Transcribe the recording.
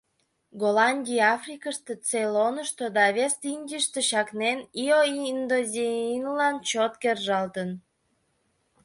Голландий Африкыште, Цейлонышто да Вест-Индийыште чакнен, ио Индонезийлан чот кержалтын.